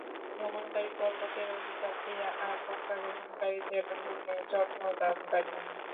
গমনকারী পরলোকের অভিযাত্রী আর প্রত্যাগমনকারী যেন পুনঃ জন্মলাভকারী।